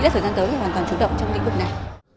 trong thời gian tới thì hoàn toàn chủ động trong lĩnh vực này